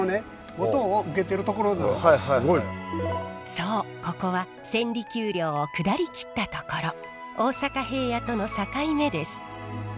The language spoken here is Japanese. そうここは千里丘陵を下り切った所大阪平野との境目です。